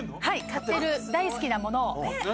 買ってる大好きな物を。